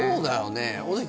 ねえ